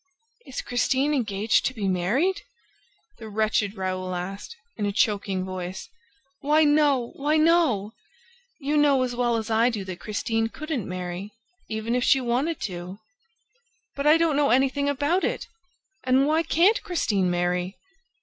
..." "Is Christine engaged to be married?" the wretched Raoul asked, in a choking voice. "Why no! Why no! ... You know as well as I do that Christine couldn't marry, even if she wanted to!" "But I don't know anything about it! ... And why can't Christine marry?"